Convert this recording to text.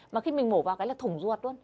mà khi mình mổ vào cái là thủng ruột